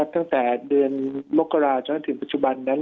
ตั้งแต่เดือนมกราจนถึงปัจจุบันนั้น